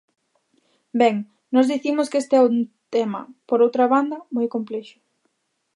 Ben, nós dicimos que este é un tema, por outra banda, moi complexo.